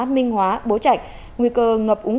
minh hóa bố trạch nguy cơ ngập úng